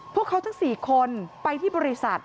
พวกเขาทั้ง๔คนไปที่บริษัท